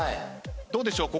どうでしょう？